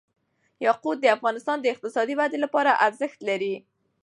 یاقوت د افغانستان د اقتصادي ودې لپاره ارزښت لري.